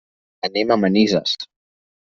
Anem a Manises.